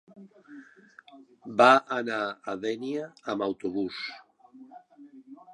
Va anar a Dénia amb autobús.